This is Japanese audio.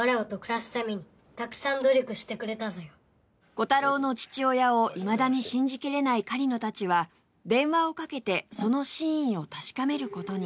コタローの父親をいまだに信じきれない狩野たちは電話をかけてその真意を確かめる事に